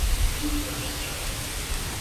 او پیانو میزند.